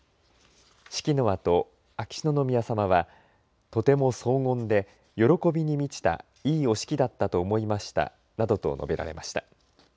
式のあと、秋篠宮さまはとても荘厳で、喜びに満ちたいいお式だったと思いましたなどと述べられました。